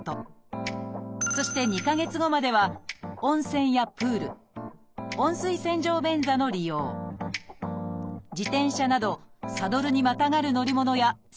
そして２か月後までは温泉やプール温水洗浄便座の利用自転車などサドルにまたがる乗り物や性行為も避けます。